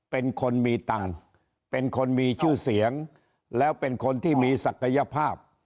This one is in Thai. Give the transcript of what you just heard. เป็นคนมีตังค์เป็นคนมีชื่อเสียงแล้วเป็นคนที่มีศักยภาพ